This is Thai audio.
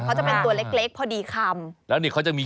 เค้าจะเป็นตัวเล็กพอดีคำ